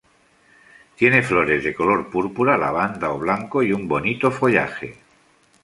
Tiene flores de color púrpura, lavanda o blanco y un bonito follaje.